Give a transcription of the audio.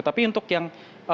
tapi untuk yang